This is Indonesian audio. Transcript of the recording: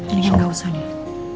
mendingan gak usah nih